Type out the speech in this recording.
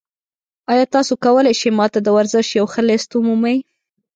ایا تاسو کولی شئ ما ته د ورزش یو ښه لیست ومومئ؟